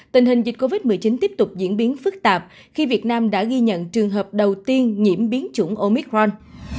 tình hình dịch covid một mươi chín tiếp tục diễn biến phức tạp khi việt nam đã ghi nhận trường hợp đầu tiên nhiễm biến chủng omicron